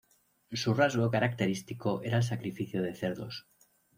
Su rasgo característico era el sacrificio de cerdos.